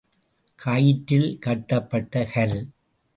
கயிற்றில் கட்டப்பட்ட கல்.